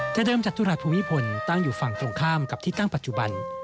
แต่เดิมจตุรัสภูมิพลตั้งอยู่ฝั่งตรงข้ามกับที่ตั้งปัจจุบัน